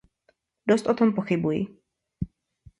Dost o tom pochybuji.